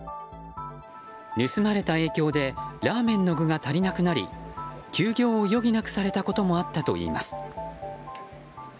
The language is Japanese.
盗まれた影響でラーメンの具が足りなくなり休業を余儀なくされたこともあったといいます。